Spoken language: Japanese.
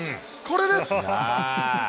これです。